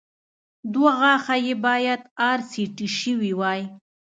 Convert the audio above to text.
دوه غاښه يې باید ار سي ټي شوي وای